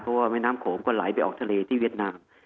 เพราะว่าแม่น้ำโขงก็ไหลไปออกทะเลที่เวียดนาม